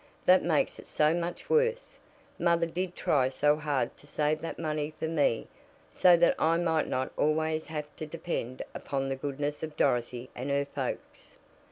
"That makes it so much worse! Mother did try so hard to save that money for me so that I might not always have to depend upon the goodness of Dorothy and her folks."